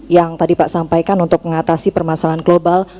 yang tadi pak sampaikan untuk mengatasi permasalahan global